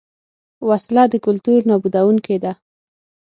وسله د کلتور نابودوونکې ده